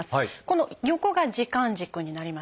この横が時間軸になります。